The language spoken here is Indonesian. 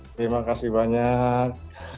terima kasih banyak